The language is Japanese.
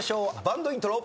バンドイントロ。